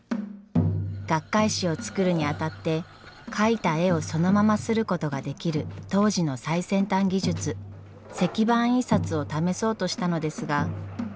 学会誌を作るにあたって描いた絵をそのまま刷ることができる当時の最先端技術石版印刷を試そうとしたのですが。